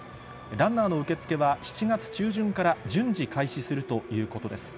ランナーの受け付けは７月中旬から順次開始するということです。